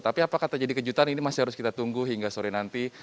tapi apakah terjadi kejutan ini masih harus kita tunggu hingga sore nanti